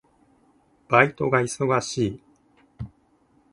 バイトが忙しい。